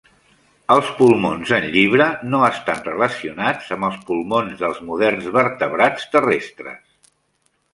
Els pulmons en llibre no estan relacionats amb els pulmons dels moderns vertebrats terrestres.